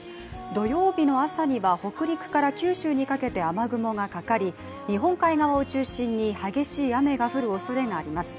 土曜日の朝には北陸から九州にかけて、雨雲がかかり日本海側を中心に激しい雨が降るおそれがあります。